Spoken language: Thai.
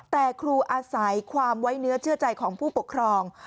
แต่ครูอาศัยความไว้เนื้อเชื่อใจของผู้ปกครอง